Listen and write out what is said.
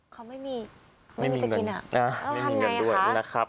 เขาไม่มีไม่มีจะกินอ่ะไม่มีเงินด้วยนะครับ